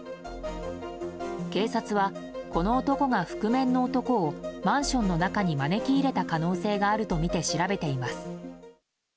警察は、この男が覆面の男をマンションの中に招き入れた可能性があるとみて調べています。